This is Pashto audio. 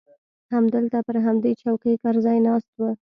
همدلته پر همدې چوکۍ کرزى ناست و.